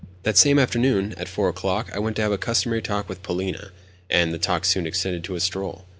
The same afternoon, at four o'clock, I went to have my customary talk with Polina Alexandrovna; and, the talk soon extended to a stroll.